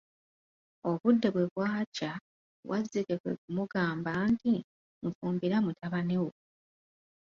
Obudde bwe bwakya, wazzike kwe kumugamba nti, nfumbira mutabani wo.